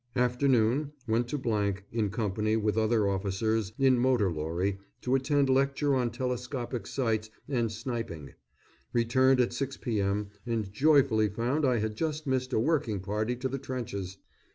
Afternoon, went to in company with other officers in motor lorry, to attend lecture on telescopic sights and sniping. Returned at 6 p.m., and joyfully found I had just missed a working party to the trenches.